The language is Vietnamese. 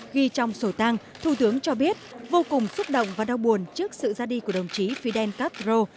ghi trong sổ tăng thủ tướng cho biết vô cùng xúc động và đau buồn trước sự ra đi của đồng chí fidel castro